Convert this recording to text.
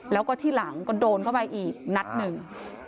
แล้วก็ที่หลังก็โดนเข้าไปอีกนัดหนึ่ง